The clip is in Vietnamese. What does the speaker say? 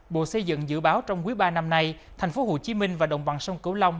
bộ xây dựng dự báo trong quý ba năm nay thành phố hồ chí minh và đồng bằng sông cổ long